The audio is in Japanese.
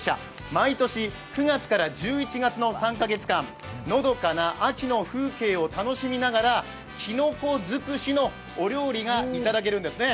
毎年９月から１１月の３か月間、のどかな秋の風景を楽しみながらきのこ尽くしのお料理がいただけるんですね。